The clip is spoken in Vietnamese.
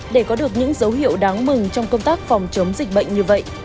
để có được những dấu hiệu đáng mừng trong công tác phòng chống dịch bệnh như vậy